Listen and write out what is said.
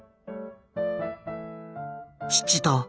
父と